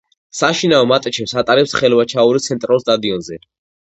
საშინაო მატჩებს ატარებს ხელვაჩაურის ცენტრალურ სტადიონზე.